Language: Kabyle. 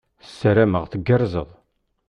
Sarameɣ teggerzeḍ.